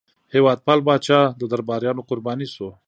هېوادپال پاچا د درباریانو قرباني شو.